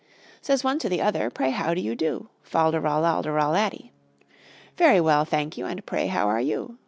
Says one to the other: "Pray, how do you do?" Fal de ral al de ral laddy. "Very well, thank you, and pray how are you?"